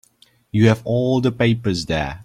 You have all the papers there.